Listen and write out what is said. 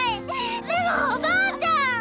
でもおばあちゃん。